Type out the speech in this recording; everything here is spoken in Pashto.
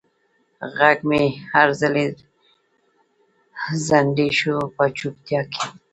غږ مې هر ځلې زندۍ شو په چوپتیا کې